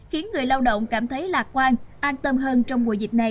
khiến người lao động cảm thấy lạc quan an tâm hơn trong mùa dịch này